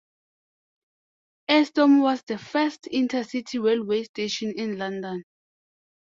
Euston was the first inter-city railway station in London.